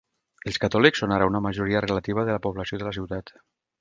Els catòlics són ara una majoria relativa de la població de la ciutat.